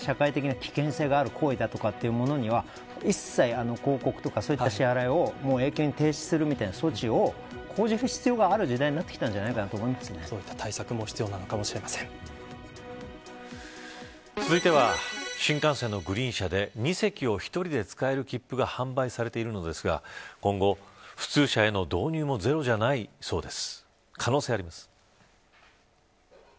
そういったものを即刻停止する処分だったりとか例えばこうした社会的な危険性がある行為だとかいうものには一切広告とかそういった支払いを永久に停止するみたいな措置を講じる必要がある時代になってきたんじゃないかとそういった対策も続いては新幹線のグリーン車で２席を１人で使えるきっぷが販売されているのですが今後、普通車への導入もゼロじゃないそうです。